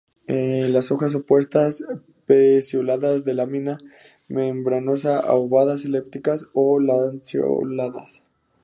Las hojas opuestas, pecioladas, la lámina membranosa, aovadas, elípticas o lanceoladas.